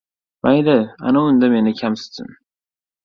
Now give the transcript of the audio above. Mayli, ana unda meni kamsitsin.